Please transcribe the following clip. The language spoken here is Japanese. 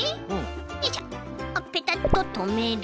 よいしょペタッととめる。